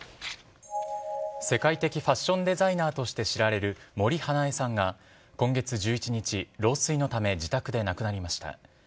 世界的ファッションデザイナーとして知られる森英恵さんが今月１１日、老衰のため自宅で亡くなりました。